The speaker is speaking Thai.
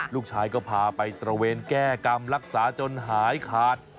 ลูกชายก็พาไปตระเวนแก้กรรมรักษาจนหายขาด